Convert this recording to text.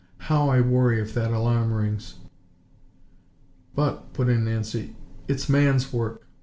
How I worry if that alarm rings!" "But," put in Nancy, "it's man's work.